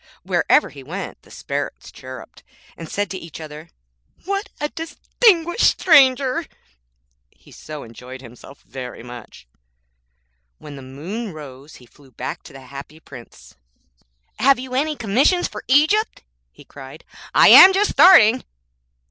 Wherever he went the Sparrows chirruped, and said to each other, 'What a distinguished stranger!' so he enjoyed himself very much. When the moon rose he flew back to the Happy Prince. 'Have you any commissions for Egypt?' he cried; 'I am just starting.'